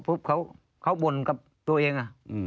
เขาบ่นกับตัวเอง